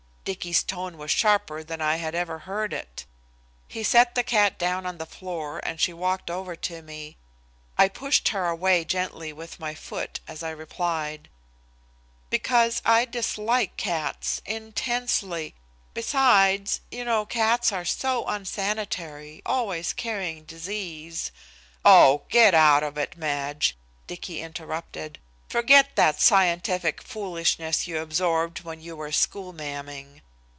Dicky's tone was sharper than I had ever heard it. He set the cat down on the floor and she walked over to me. I pushed her away gently with my foot as I replied: "Because I dislike cats intensely. Besides, you know cats are so unsanitary, always carrying disease " "Oh, get out of it, Madge," Dicky interrupted. "Forget that scientific foolishness you absorbed when you were school ma'aming.